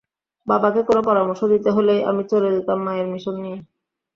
বাবাকে কোনো পরামর্শ দিতে হলেই আমি চলে যেতাম মায়ের মিশন নিয়ে।